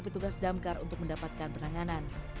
petugas damkar untuk mendapatkan penanganan